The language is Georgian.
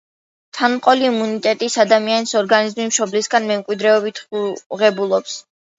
თანდაყოლილ იმუნიტეტს ადამიანის ორგანიზმი მშობლებისგან მემკვიდრეობით ღებულობს.